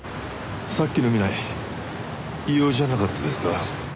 さっきの南井異様じゃなかったですか？